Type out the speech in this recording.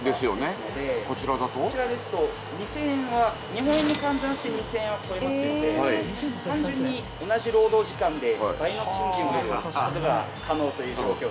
こちらですと２０００円は日本円に換算して２０００円は超えますので単純に同じ労働時間で倍の賃金を得る事が可能という状況です。